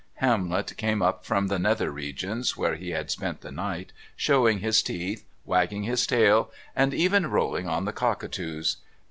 Hamlet came up from the nether regions where he had spent the night, showing his teeth, wagging his tail, and even rolling on the cockatoos.